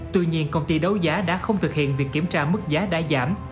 tuy nhiên công ty đấu giá đã không thực hiện việc kiểm tra mức giá đã giảm